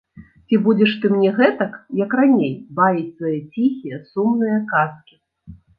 Ці будзеш ты мне гэтак, як раней, баіць свае ціхія, сумныя казкі?